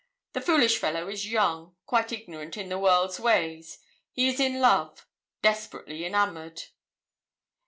The foolish fellow is young, quite ignorant in the world's ways. He is in love desperately enamoured.